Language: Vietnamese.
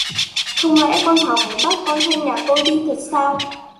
Không lẽ con thảo muốn bắt con thanh nhà tôi đi thật sao